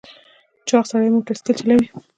چاغ سړی موټر سایکل چلوي .